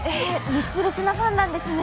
熱烈なファンなんですね。